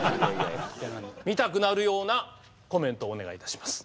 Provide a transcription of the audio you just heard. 見たくなるようなコメントをお願いいたします。